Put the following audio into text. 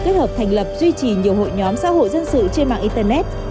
kết hợp thành lập duy trì nhiều hội nhóm xã hội dân sự trên mạng internet